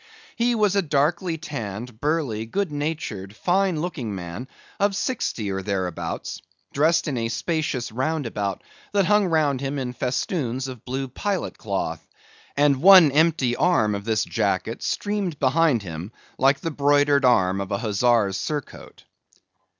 He was a darkly tanned, burly, good natured, fine looking man, of sixty or thereabouts, dressed in a spacious roundabout, that hung round him in festoons of blue pilot cloth; and one empty arm of this jacket streamed behind him like the broidered arm of a hussar's surcoat.